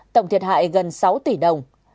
tổng thiệt hại gần sáu tỷ đồng